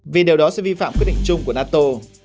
vì điều đó sẽ vi phạm quyết định chung của nato